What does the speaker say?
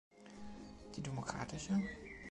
Die Demokratische ?